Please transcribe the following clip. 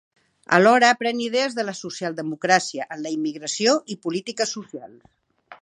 Alhora pren idees de la socialdemocràcia en la immigració i polítiques socials.